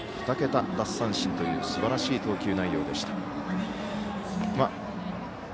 ２桁奪三振というすばらしい投球内容でした。